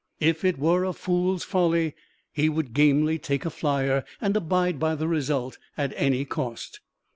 If it were a fool's folly, he would gamely take a "flyer" and abide by the result at any cost.